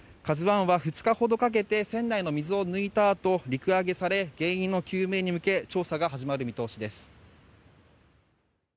「ＫＡＺＵ１」は２日ほどかけて船内の水を抜いたあと陸揚げされ、原因の究明に向け調査が始まる見通しです。